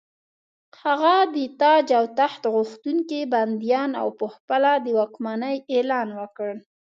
هغه د تاج او تخت غوښتونکي بندیان او په خپله د واکمنۍ اعلان وکړ.